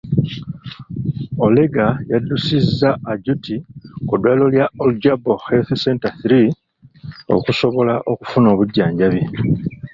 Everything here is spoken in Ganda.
Olega yaddusizza Ajute ku ddwaliro lya Olujbo Health center III okusobola okufuna obujjanjabi.